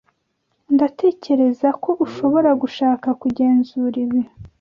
Ndatekereza ko ushobora gushaka kugenzura ibi.